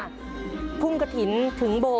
ทุกข้าทุกข้าทุกข้า